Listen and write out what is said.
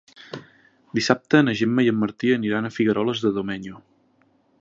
Dissabte na Gemma i en Martí aniran a Figueroles de Domenyo.